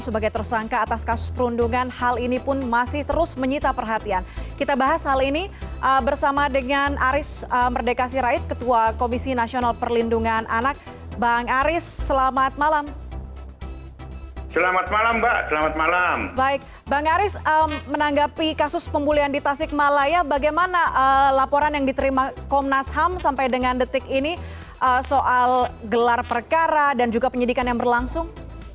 baik bang aris menanggapi kasus pembulian di tasik malaya bagaimana laporan yang diterima komnas ham sampai dengan detik ini soal gelar perkara dan juga penyidikan yang berlangsung